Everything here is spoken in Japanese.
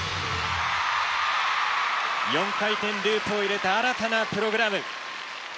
４回転ループを入れた新たなプログラム。